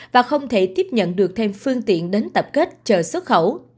và không thể tiếp nhận được thêm phương tiện đến tập kết chờ xuất khẩu